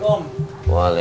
kamu tuh udah tua